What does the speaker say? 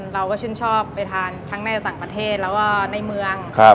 เราก็ชื่นชอบไปทานทั้งในต่างประเทศแล้วก็ในเมือง